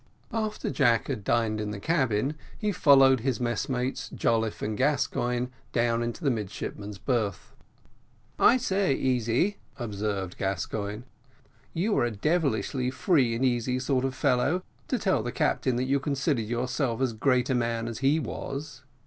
After Jack had dined in the cabin he followed his messmates Jolliffe and Gascoigne down into the midshipmen's berth. "I say, Easy," observed Gascoigne, "you are a devilish free and easy sort of a fellow, to tell the captain that you considered yourself as great a man as he was."